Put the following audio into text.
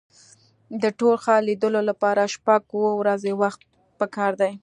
د ټول ښار لیدلو لپاره شپږ اوه ورځې وخت په کار دی.